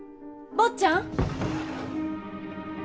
坊ちゃん！